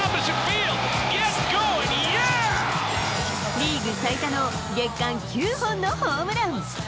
リーグ最多の月間９本のホームラン。